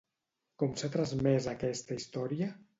Com s'ha transmès aquesta història?